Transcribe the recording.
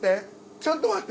ちょっと待って。